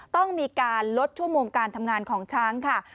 ต้องมีการลดชั่วโมงการทำงานของช้างค่ะ